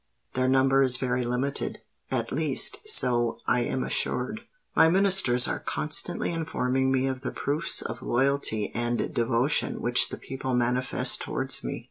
their number is very limited—at least, so I am assured. My Ministers are constantly informing me of the proofs of loyalty and devotion which the people manifest towards me.